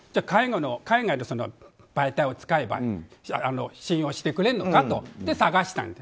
海外の媒体を使えば信用してくれるのかとそれで、探したと。